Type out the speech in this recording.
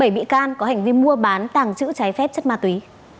bảy bị can có hành vi mua bán tàng trữ trái phép chất ma túy